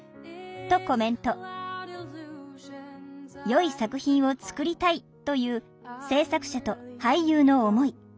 「よい作品を作りたい」という制作者と俳優の思い。